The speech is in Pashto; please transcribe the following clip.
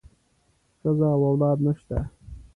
ښځه او اولاد نشته.